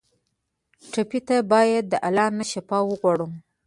ټپي ته باید د الله نه شفا وغواړو.